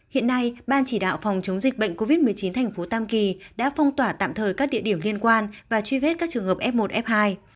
hiện nay ban chỉ đạo phòng chống dịch bệnh covid một mươi chín thành phố tam kỳ đã phong tỏa tạm thời các địa điểm liên quan và truy vết các trường hợp f một f hai